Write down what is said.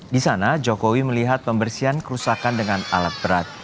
di sana jokowi melihat pembersihan kerusakan dengan alat berat